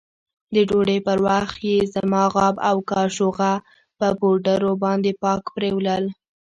د ډوډۍ پر وخت يې زما غاب او کاشوغه په پوډرو باندې پاک پرېولل.